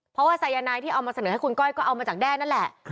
เพราะว่าสายนายที่เอามาเสนอให้คุณก้อยก็เอามาจากแด้นั่นแหละ